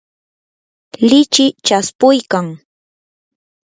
lichiy chaspuykan.